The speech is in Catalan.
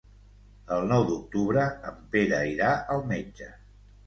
El nou d'octubre en Pere irà al metge.